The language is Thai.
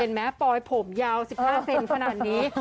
เห็นไหมปล่อยผมยาว๑๕เซ็นต์ขนาดนี้